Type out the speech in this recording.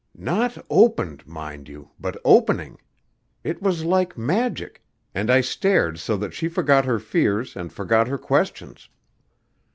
"Not opened, mind you, but opening. It was like magic, and I stared so that she forgot her fears and forgot her questions.